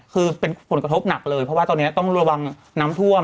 คือเป็นผลกระทบหนักเลยเพราะว่าตอนนี้ต้องระวังน้ำท่วม